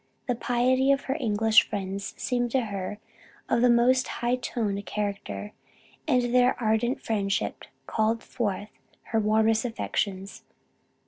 The piety of her English friends seemed to her of the most high toned character, and their ardent friendship called forth her warmest affections.